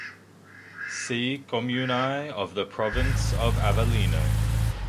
See Comuni of the Province of Avellino.